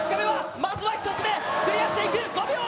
まずは１つ目、クリアしていく。